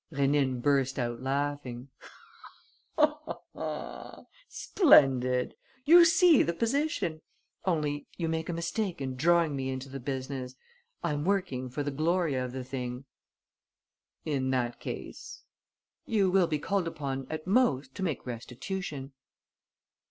Rénine burst out laughing: "Splendid! You see the position. Only, you make a mistake in drawing me into the business. I'm working for the glory of the thing." "In that case?" "You will be called upon at most to make restitution."